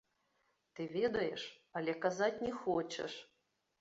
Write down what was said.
Ты ведаеш, але казаць не хочаш!